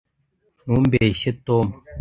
ntumbeshye, tom